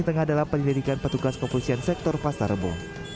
ini tengah dalam penyelidikan petugas komposisi sektor pasar rebo